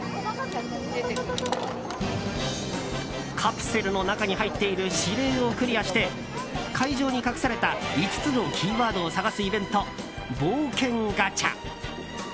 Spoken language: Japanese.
カプセルの中に入っている指令をクリアして会場に隠された５つのキーワードを探すイベントぼうけんガチャ。